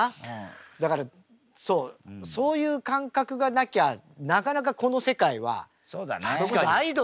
だからそうそういう感覚がなきゃなかなかこの世界はそれこそアイドルだってそうじゃん。